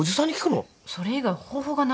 それ以外方法がないでしょ。